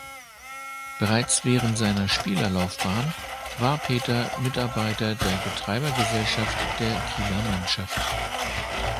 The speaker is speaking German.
Bereits während seiner Spielerlaufbahn war Peter Mitarbeiter der Betreibergesellschaft der Kieler Mannschaft.